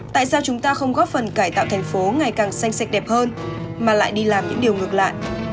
tại sao chúng ta không góp phần cải tạo thành phố ngày càng xanh sạch đẹp hơn mà lại đi làm những điều ngược lại